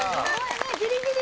ギリギリ。